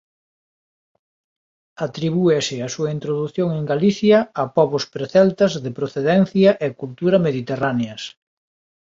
Atribúese a súa introdución en Galicia a pobos preceltas de procedencia e cultura mediterráneas.